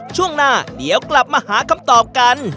ช่วงหน้าเดี๋ยวกลับมาหาคำตอบกัน